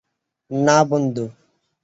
না, বন্ধু।